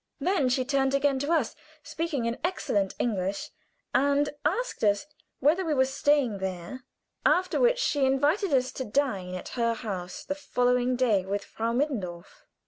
Then she turned again to us, speaking in excellent English, and asked us whether we were staying there, after which she invited us to dine at her house the following day with Frau Mittendorf.